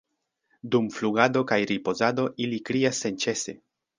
Dum flugado kaj ripozado ili krias senĉese.